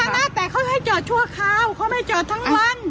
นะแต่เขาให้จอดชั่วคราวเขาไม่จอดทั้งวัน